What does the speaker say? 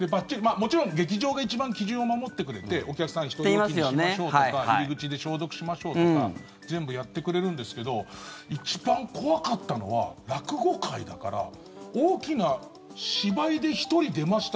もちろん劇場が一番基準を守ってくれてお客さん１人おきにしましょうとか入り口で消毒しましょうとか全部やってくれるんですけど一番怖かったのは、落語会だから大きな芝居で１人出ました